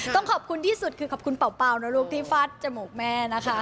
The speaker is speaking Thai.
ต้องขอบคุณที่สุดคือขอบคุณเป่านะลูกที่ฟาดจมูกแม่นะคะ